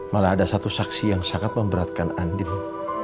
malah ada satu saksi yang sangat memberatkan andin